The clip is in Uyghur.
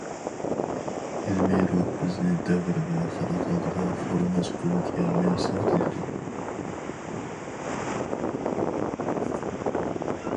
ئىلمىي روھ بىزنى دەۋر ۋە خەلق ئالدىدا خورىماس قۇۋۋەتكە مۇيەسسەر قىلىدۇ.